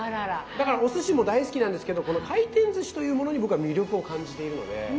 だからおすしも大好きなんですけどこの回転ずしというものに僕は魅力を感じているので。